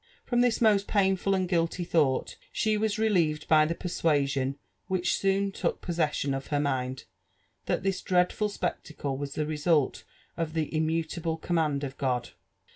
From this most painful and guilty thought she was relieved by tbe persuasion which soon took possession of her mind, that this dreadful spectacle was the result of the immu table command of God.